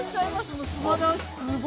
もう素晴らしい。